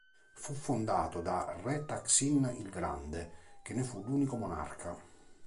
Fu fondato da re Taksin il Grande, che ne fu l'unico monarca.